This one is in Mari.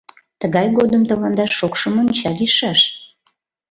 Тыгай годым тыланда шокшо монча лийшаш.